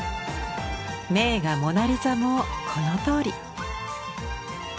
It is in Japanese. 名画「モナ・リザ」もこのとおり。